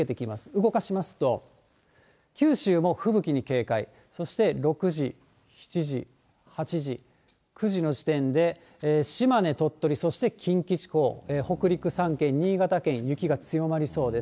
動かしますと、九州も吹雪に警戒、そして６時、７時、８時、９時の時点で島根、鳥取、そして近畿地方、北陸３県、新潟県、雪が強まりそうです。